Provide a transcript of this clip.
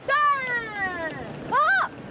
あっ。